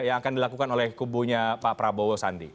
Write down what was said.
yang akan dilakukan oleh kubunya pak prabowo sandi